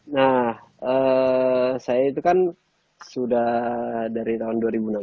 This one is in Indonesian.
nah saya itu kan sudah dari tahun dua ribu enam belas